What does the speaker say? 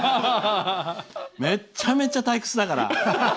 めっちゃめちゃ退屈だから。